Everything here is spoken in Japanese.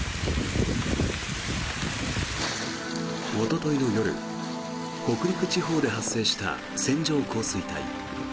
おとといの夜北陸地方で発生した線状降水帯。